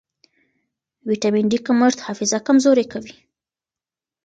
ویټامن ډي کمښت حافظه کمزورې کوي.